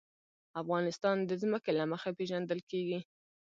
افغانستان د ځمکه له مخې پېژندل کېږي.